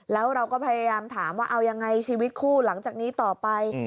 แล้วเราก็พยายามถามว่าเอายังไงชีวิตคู่หลังจากนี้ต่อไป